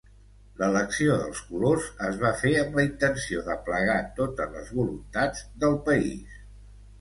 L'elecció dels colors es va fer amb la intenció d'aplegar totes les voluntats del país.